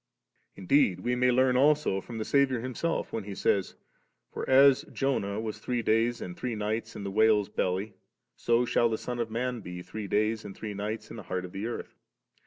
Indeed we may learn also from the Saviour Himself when He says, * For as Jonah was three days and three nights in the whale's belly, so shall the Son of man be three days and three nights in the heart of the earth ».'